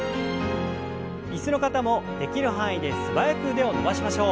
椅子の方もできる範囲で素早く腕を伸ばしましょう。